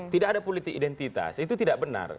tidak ada politik identitas itu tidak benar